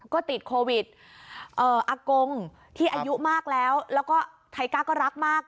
ก็ติดโควิดอากงที่อายุมากแล้วแล้วก็ไทก้าก็รักมาก